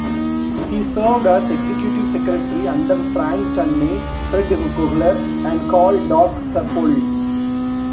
He served as executive secretary under Frank Tunney, Fred Kohler, and Karl "Doc" Sarpolis.